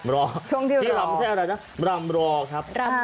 รอช่วงได้รอที่ยำใช่อะไรนะระเบิดลำรอครับ